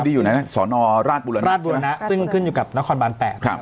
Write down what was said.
ที่อยู่ในสอนอราชบุรณราชบุรณะซึ่งขึ้นอยู่กับนครบาน๘ครับ